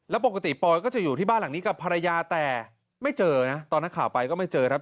แล้วปกติปอยก็จะอยู่ที่บ้านหลังนี้กับภรรยาแต่ไม่เจอนะตอนนักข่าวไปก็ไม่เจอครับ